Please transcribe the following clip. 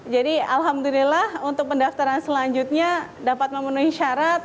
jadi alhamdulillah untuk pendaftaran selanjutnya dapat memenuhi syarat